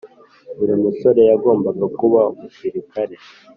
Buri musore yagombaga kuba umusirikare